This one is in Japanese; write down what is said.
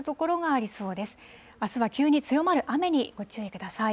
あすは急に強まる雨にご注意ください。